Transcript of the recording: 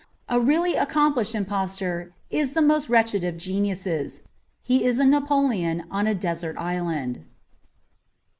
A really accomplished impostor is the most wretched of geniuses : he is a Napoleon on a desert island.